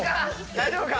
大丈夫か？